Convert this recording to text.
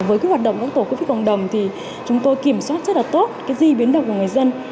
với cái hoạt động của tổ covid cộng đồng thì chúng tôi kiểm soát rất là tốt cái di biến động của người dân